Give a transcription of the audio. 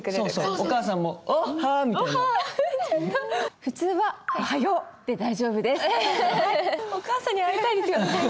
お母さんに会いたいですよね。